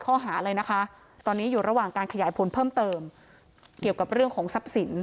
การขยายผลเพิ่มเติมเกี่ยวกับเรื่องของทรัพย์สิน